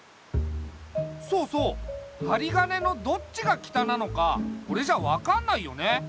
そうそうはりがねのどっちが北なのかこれじゃ分かんないよね。